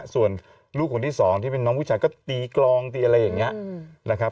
ส่วนลูกคนที่สองที่เป็นน้องผู้ชายก็ตีกลองตีอะไรอย่างนี้นะครับ